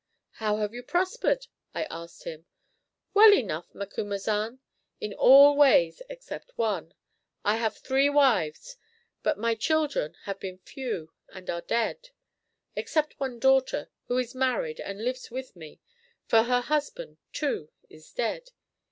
"How have you prospered?" I asked him. "Well enough, Macumazahn, in all ways except one. I have three wives, but my children have been few and are dead, except one daughter, who is married and lives with me, for her husband, too, is dead.